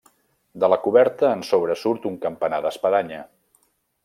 De la coberta en sobresurt un campanar d'espadanya.